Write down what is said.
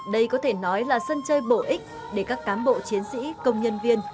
đây có thể nói là sân chơi bổ ích để các cán bộ chiến sĩ công nhân viên